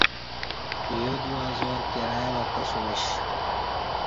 یو دیو ہزار کرایہ وکتاسیمش